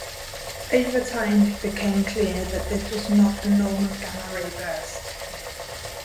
Over time it became clear that this was not a normal gamma-ray burst.